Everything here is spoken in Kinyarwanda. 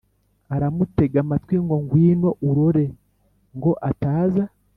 aramutega amatwi ngo gwino urore ngo ataza